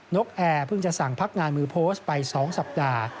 กแอร์เพิ่งจะสั่งพักงานมือโพสต์ไป๒สัปดาห์